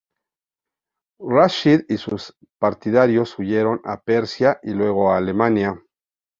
Rashid y sus partidarios huyeron a Persia y luego a Alemania.